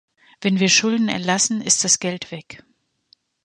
Wenn wir Schulden erlassen, ist das Geld weg.